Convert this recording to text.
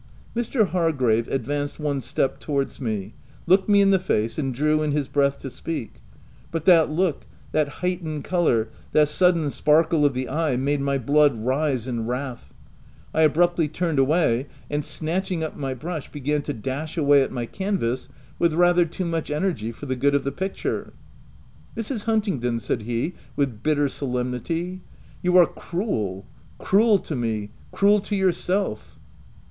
Mr. Hargrave advanced one step towards me, looked me in the face, and drew in his breath to speak ; but that look, that heightened colour, that sudden sparkle of the eye made my blood rise in wrath : I abruptly turned away, and ? snatching up my brush, began to dash away at OF WILDFELL HALL 41 my canvass with rather too much energy for the good of the picture. "Mrs. Huntingdon," said he with bitter solemnity, " you are cruel — cruel to me — cruel to yourself."